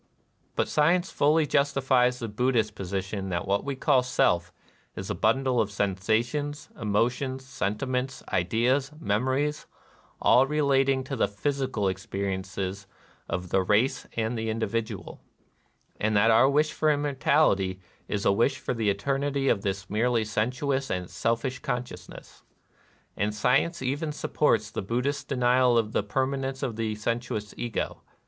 But science fully justifies the Bud dhist position that what we call Self is a bundle of sensations, emotions, sentiments, ideas, memories, all relating to the 'physical experiences of the race and the individual. NIRVANA 227 and that our wisli for immortality is a wish for the eternity of this merely sensuous and selfish consciousness. And science even sup ports the Buddhist denial of the permanence of the sensuous Ego.